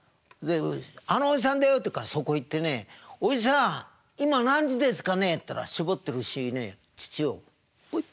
「あのおじさんだよ」って言うからそこへ行ってね「おじさん今何時ですかね？」って言ったら搾ってる牛にね乳をポイッ。